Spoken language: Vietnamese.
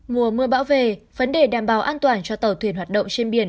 mùa mưa bão về vấn đề đảm bảo an toàn cho tàu thuyền hoạt động trên biển